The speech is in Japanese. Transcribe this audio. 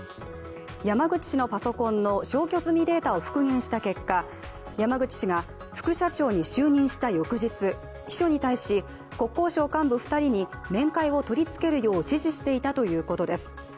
山口氏のパソコンの消去済みデータを復元した結果山口氏が、副社長に就任した翌日、秘書に対し、国交省幹部２人に面会を取り付けるよう指示していたということです。